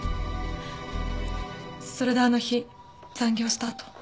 それであの日残業したあと。